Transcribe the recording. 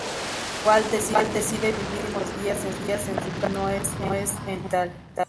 Walt decide vivir sus últimos días en su casa, y no en un hospital.